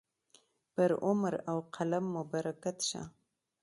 پر عمر او قلم مو برکت شه.